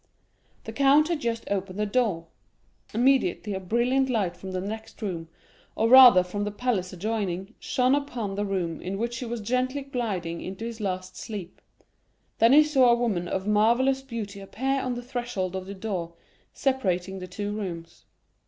The count had just opened a door. Immediately a brilliant light from the next room, or rather from the palace adjoining, shone upon the room in which he was gently gliding into his last sleep. Then he saw a woman of marvellous beauty appear on the threshold of the door separating the two rooms.